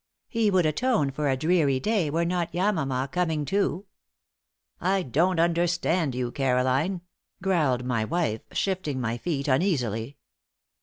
He would atone for a dreary day were not Yamama coming too." "I don't understand you, Caroline," growled my wife, shifting my feet uneasily.